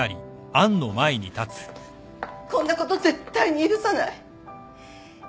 こんなこと絶対に許さない！